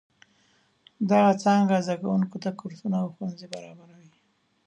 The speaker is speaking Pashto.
دغه څانګه زده کوونکو ته کورسونه او ښوونځي برابروي.